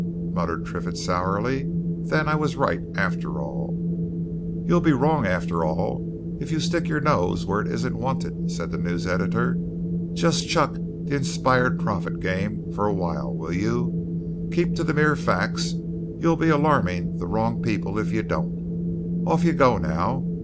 muttered Triffitt sourly. "Then I was right, after all!" "You'll be wrong, after all, if you stick your nose where it isn't wanted," said the news editor. "Just chuck the inspired prophet game for a while, will you? Keep to mere facts; you'll be alarming the wrong people, if you don't. Off you go now!